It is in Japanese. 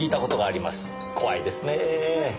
怖いですねぇ。